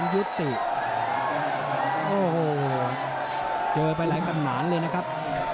ยุทธิโอ้โหโอ้โหเจอไปหลายขั้นหลานเลยนะครับ